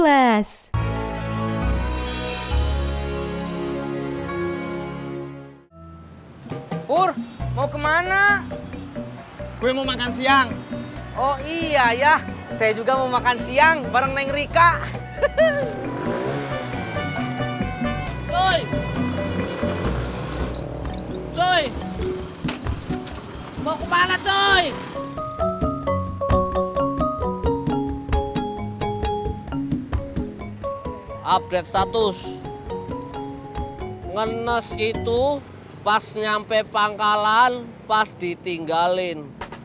update status ngenes itu pas nyampe pangkalan pas ditinggalin